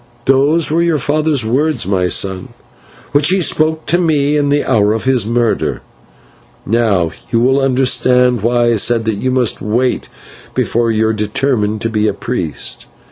"Those were your father's words, my son, which he spoke to me in the hour of his murder. And now you will understand why I said that you must wait before you determined to be a priest.